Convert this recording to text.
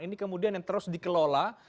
ini kemudian yang terus dikelola